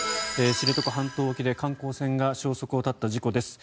知床半島沖で観光船が消息を絶った事故です。